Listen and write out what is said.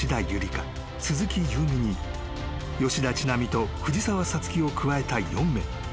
鈴木夕湖に吉田知那美と藤澤五月を加えた４名］